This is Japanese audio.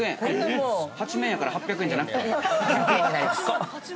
８面やから８００円じゃなくて。